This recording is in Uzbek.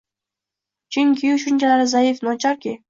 Chunki u shunchalar zaif, nochorki!